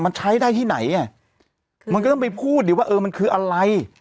มันใช้ได้ที่ไหนอ่ะมันก็ต้องไปพูดดิว่าเออมันคืออะไร